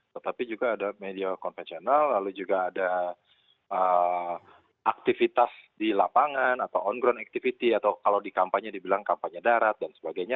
tetapi juga ada media konvensional lalu juga ada aktivitas di lapangan atau on ground activity atau kalau di kampanye dibilang kampanye darat dan sebagainya